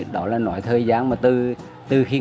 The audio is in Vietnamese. nên là nó còn phải đi một chút